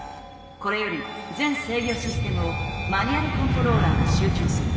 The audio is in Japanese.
これより全制御システムをマニュアルコントローラーに集中する。